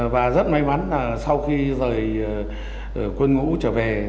và rất may mắn là sau khi rời quân ngũ trở về